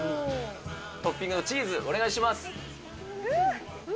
トッピングのチーズ、お願いします。